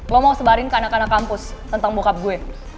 lo mau sebarin ke anak anak kampus tentang bokap gue